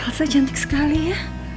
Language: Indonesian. elsa cantik sekali ya